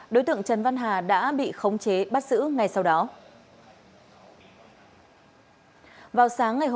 đối tượng trần văn hà đã bị khống chế bắt giữ ngay sau đó